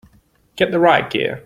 Get the riot gear!